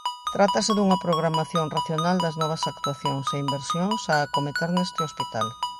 Trátase dunha programación racional das novas actuacións e inversións a acometer neste hospital.